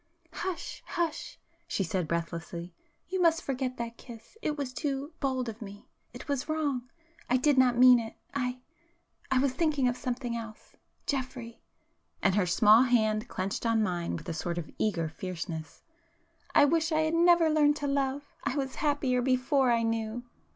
"Hush!—hush!" she said breathlessly—"You must forget that kiss,——it was too bold of me—it was wrong—I did not mean it, ... I, ... I was thinking of something else. Geoffrey!"—and her small hand clenched on mine with a sort of eager fierceness—"I wish I had never learned to love; I was happier before I knew!"